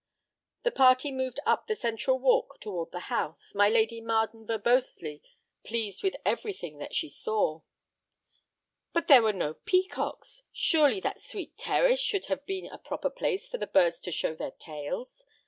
The party moved up the central walk toward the house, my Lady Marden verbosely pleased with everything that she saw. "But there were no peacocks! Surely that sweet terrace should have been a proper place for the birds to show their tails!